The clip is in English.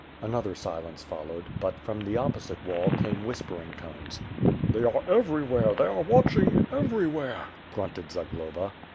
Another silence followed but, from the opposite wall, came whispering tones. "They are everywhere; they are watching everywhere," grunted Zagloba.